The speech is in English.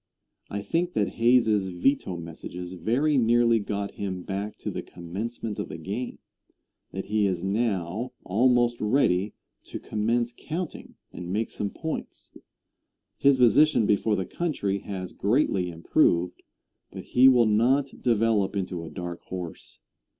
I think that Hayes's veto messages very nearly got him back to the commencement of the game that he is now almost ready to commence counting, and make some points. His position before the country has greatly improved, but he will not develop into a dark horse.